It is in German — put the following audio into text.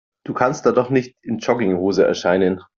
Du kannst da doch nicht in Jogginghose erscheinen.